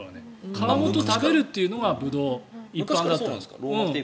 皮ごと食べるというのがブドウ一般だった。